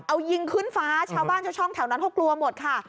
เอายิงขึ้นฟ้าชาวบ้านชาวช่องแถวนั้นเขากลัวหมดค่ะ